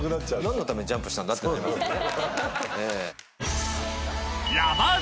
何のためにジャンプしたんだってなりますね。